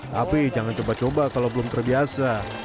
tapi jangan coba coba kalau belum terbiasa